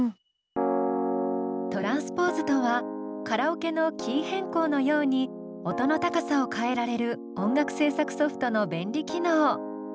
トランスポーズとはカラオケのキー変更のように音の高さを変えられる音楽制作ソフトの便利機能。